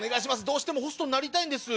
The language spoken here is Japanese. どうしてもホストになりたいんです。